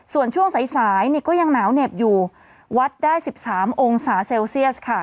ส่วนช่วงสายก็ยังหนาวเหน็บอยู่วัดได้๑๓องศาเซลเซียสค่ะ